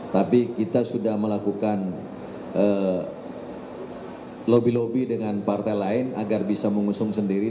tapi kita sudah melakukan lobby lobby dengan partai lain agar bisa mengusung sendiri